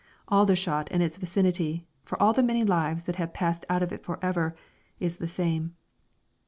Aldershot and its vicinity, for all the many lives that have passed out of it for ever, is the same.